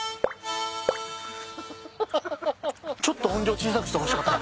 ちょっと音量小さくしてほしかった。